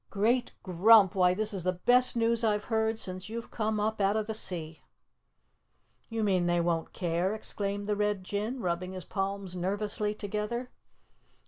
"Great Grump, why this is the best news I've heard since you've come up out of the sea." "You mean they won't care?" exclaimed the Red Jinn, rubbing his palms nervously together.